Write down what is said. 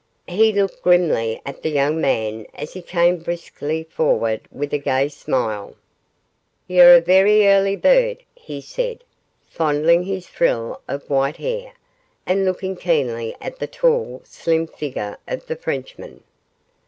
He looked grimly at the young man as he came briskly forward with a gay smile. 'Ye're a verra early bird,' he said, fondling his frill of white hair, and looking keenly at the tall, slim figure of the Frenchman.